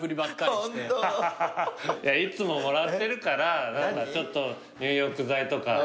いつももらってるから何かちょっと入浴剤とか。